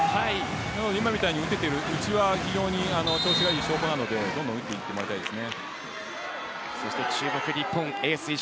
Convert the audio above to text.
なので今みたいに打てているうちは調子がいい証拠なのでどんどん打っていってもらいたいです。